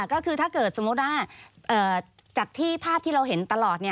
ก็คือถ้าเกิดสมมุติว่าจากที่ภาพที่เราเห็นตลอด